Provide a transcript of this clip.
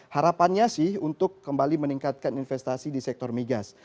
harapannya sih untuk kembali meningkatkan investasi di sektor migas